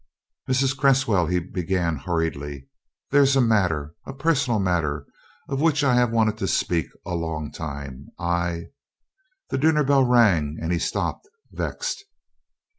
"Mrs. Cresswell," he began hurriedly, "there's a matter a personal matter of which I have wanted to speak a long time I " The dinner bell rang, and he stopped, vexed.